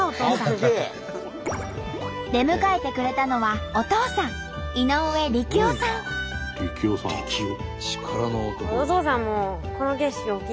出迎えてくれたのは力夫さん。